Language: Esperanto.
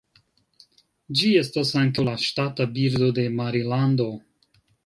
Ĝi estas ankaŭ la ŝtata birdo de Marilando.